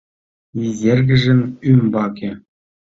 Изергыжын ӱмбаке...